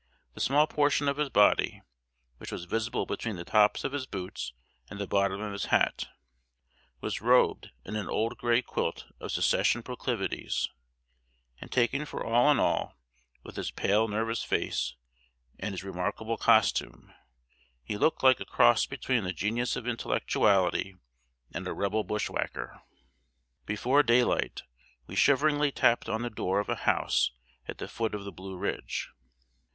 The small portion of his body, which was visible between the tops of his boots and the bottom of his hat, was robed in an old gray quilt of Secession proclivities; and taken for all in all, with his pale, nervous face and his remarkable costume, he looked like a cross between the Genius of Intellectuality and a Rebel bushwhacker! [Illustration: THE ESCAPE. WADING A MOUNTAIN STREAM AT MIDNIGHT.] Before daylight, we shiveringly tapped on the door of a house at the foot of the Blue Ridge.